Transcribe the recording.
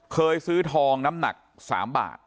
เคยซื้อทองน้ำหนัก๓บาท